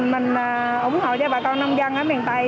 mình ủng hộ cho bà con nông dân ở miền tây